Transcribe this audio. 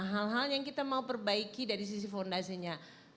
hal hal yang kita mau perbaiki dari sisi fondasinya